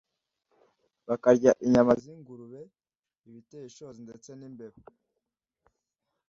bakarya inyama z ingurube u n ibiteye ishozi ndetse n imbeba